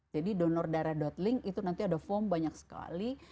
jadi donordarah link itu nanti ada form banyak sekali